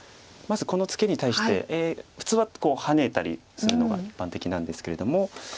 まずこのツケに対して普通はハネたりするのが一般的なんですけれども。